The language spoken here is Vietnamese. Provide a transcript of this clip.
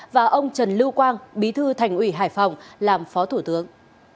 và ông trần lưu quang bí thư thành ủy hải phòng làm phó thủ tướng